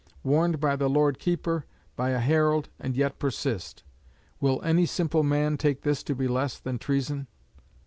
Warned by the Lord Keeper, by a herald, and yet persist! Will any simple man take this to be less than treason?'